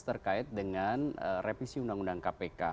terkait dengan revisi undang undang kpk